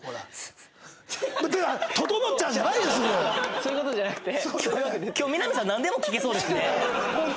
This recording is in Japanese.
そういう事じゃなくて。